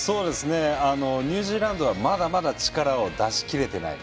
ニュージーランドはまだまだ力を出し切れていない。